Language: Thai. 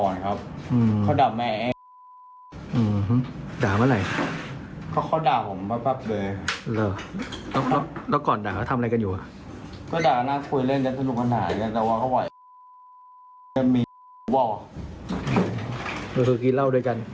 นายสมบัติกินเหล้าด้วยกัน